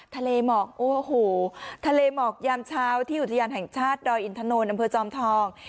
ทะเลหมอกโอ้โหทะเลหมอกยามเช้าที่อุทยานแห่งชาติดอยอินทนนอำเภอจอมทอง